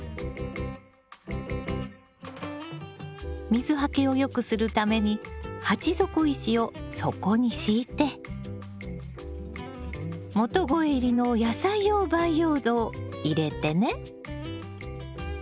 水はけをよくするために鉢底石を底に敷いて元肥入りの野菜用培養土を入れてね。